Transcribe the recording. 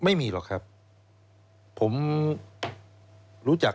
สวัสดีครับคุณผู้ชมค่ะต้อนรับเข้าที่วิทยาลัยศาสตร์